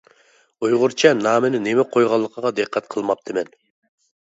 ئۇيغۇرچە نامىنى نېمە قويغانلىقىغا دىققەت قىلماپتىمەن.